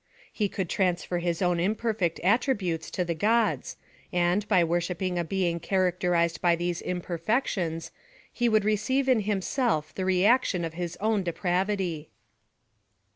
He could transfer his own imperfect attributes to the gods, and, by worshipping a being characterized by these imperfections, he would receive in himself thf. reaction of his own depravity.